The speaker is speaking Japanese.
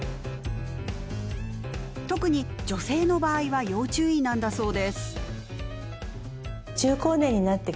特に女性の場合は要注意なんだそうです。